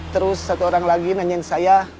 terus satu orang lagi nanyain saya